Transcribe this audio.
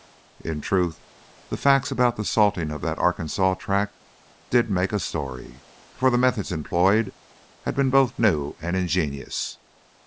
In truth, the facts about the salting of that Arkansas tract did make a story, for the methods employed had been both new and ingenious.